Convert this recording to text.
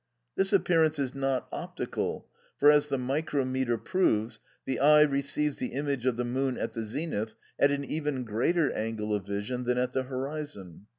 This appearance is not optical, for as the micrometre proves, the eye receives the image of the moon at the zenith, at an even greater angle of vision than at the horizon.